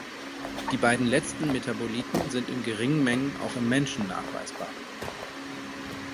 Die beiden letzten Metaboliten sind in geringen Mengen auch im Menschen nachweisbar.